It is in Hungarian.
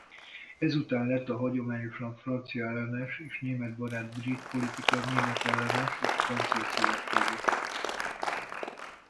Ezután lett a hagyományosan franciaellenes és németbarát brit politika németellenes és francia szövetséges.